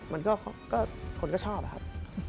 มันก็คนก็ชอบอะครับ